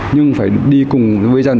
nhưng phải đi cùng với dân